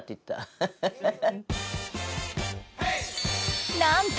ハハハハ！